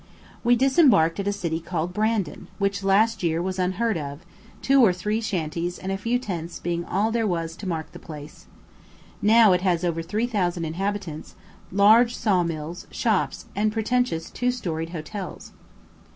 We disembarked at a city called Brandon, which last year was unheard of, two or three shanties and a few tents being all there was to mark the place; now it has over three thousand inhabitants, large saw mills, shops, and pretentious two storied hotels.